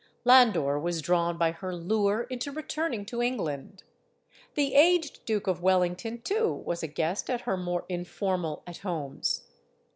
Landor was drawn by her lure into returning to England. The aged Duke of Wellington, too, was a guest at her more informal "at homes."